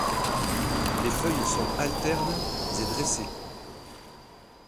Les feuilles sont alternes et dressées.